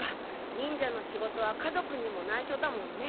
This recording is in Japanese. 忍者の仕事は家族にもないしょだもんね。